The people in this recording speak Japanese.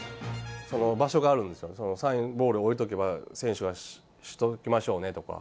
場所があるんですよ、サインボールを置いとけば、選手がしときましょうねとか。